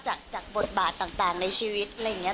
จากบทบาทต่างในชีวิตอะไรอย่างนี้